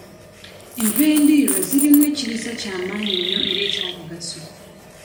Enva endiirwa zirimu ekiriisa kya maanyi nnyo era eky'omugaso.